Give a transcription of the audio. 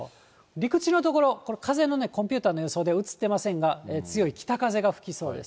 陸地の所、これ、風のね、コンピューターの予想で映ってませんが、強い北風が吹きそうです。